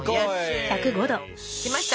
きました！